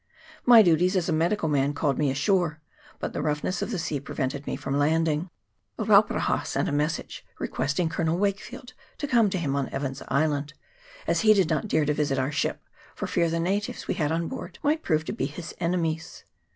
My duties as a medical man called me ashore, but the roughness of the sea prevented me from landing. Rauparaha sent a mes sage, requesting Colonel Wakefield to come to him on Evans's Island, as he did not dare to visit our ship, for fear the natives we had on board might prove to be his enemies.